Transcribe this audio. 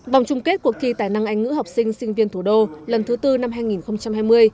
vòng chung kết cuộc thi tài năng anh ngữ học sinh sinh viên thủ đô lần thứ tư năm hai nghìn hai mươi